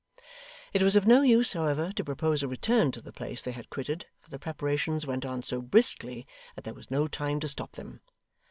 It was of no use, however, to propose a return to the place they had quitted, for the preparations went on so briskly that there was no time to stop them.